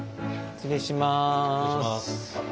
失礼します。